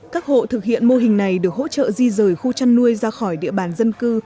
các hộ thực hiện mô hình này được hỗ trợ di rời khu chăn nuôi ra khỏi địa bàn dân cư